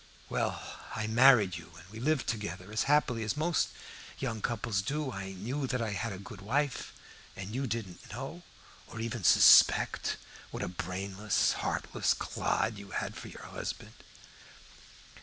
Well, I married you and we lived together as happily as most young couples do. I knew that I had a good wife, and you didn't know, or even suspect, what a brainless, heartless clod you had for your husband.